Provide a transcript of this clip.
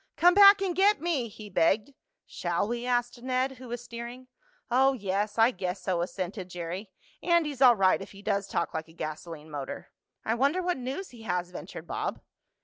"Come back and get me!" he begged. "Shall we?" asked Ned, who was steering. "Oh, yes, I guess so," assented Jerry. "Andy's all right if he does talk like a gasoline motor." "I wonder what news he has," ventured Bob.